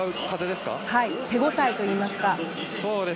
手応えといいますか。